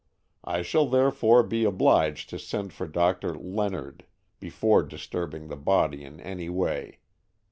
I shall therefore be obliged to send for Doctor Leonard before disturbing the body in any way.